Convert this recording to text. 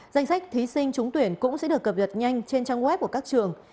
danh sách thí sinh trúng tuyển cũng sẽ được cập nhật nhanh trên trang web của các trường